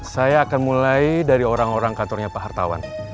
saya akan mulai dari orang orang kantornya pak hartawan